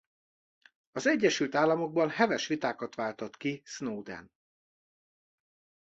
Az Egyesült Államokban heves vitákat váltott ki Snowden.